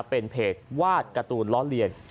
เป็นเพจวาดการ์ตูนล้อเลียน